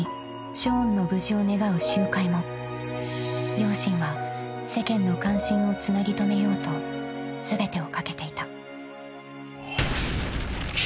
［両親は世間の関心をつなぎ留めようと全てを懸けていた］